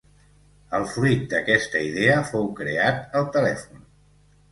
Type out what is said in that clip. El fruit d'aquesta idea fou creat el telèfon.